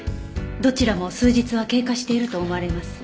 どちらも数日は経過していると思われます。